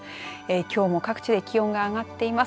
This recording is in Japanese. きょうも各地で気温が上がっています。